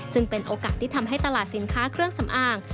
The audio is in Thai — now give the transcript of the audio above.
เป็นโอกาสที่ทำให้ตลาดสินค้าเครื่องสำอาง